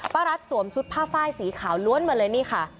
ป้ารัสสวมสุดผ้าไฟสีขาวล้วนเหมือนเลยนี่ค่ะ